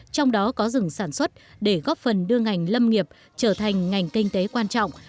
trong đó có rừng sản xuất để góp phần đưa ngành lâm nghiệp trở thành ngành kinh tế quan trọng